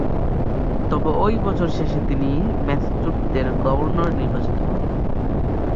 তবে ওই বছরের শেষে তিনি ম্যাসাচুসেটসের গভর্নর নির্বাচিত হন।